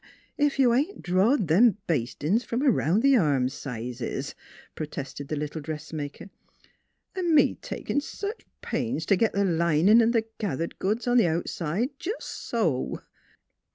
ef you ain't drawed them bastin's from around the arm sizes," pro tested the little dressmaker. " An' me takin' sech pains t' git th' linin' 'n' th' gathered goods on th' outside jes' so."